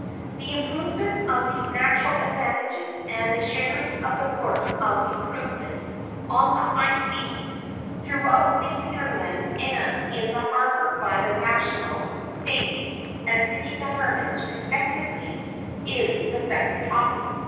The improvements of these natural advantages and the sharing of the work of improvement on the high seas, throughout the hinterland and in the harbor by the national, State and city governments respectively is the second topic.